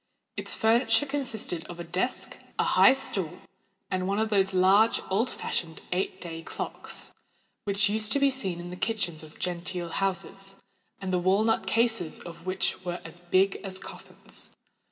Its furniture consisted of a desk, a high stool, and one of those large, old fashioned eight day clocks, which used to be seen in the kitchens of genteel houses, and the wall nut cases of which were as big as coffins.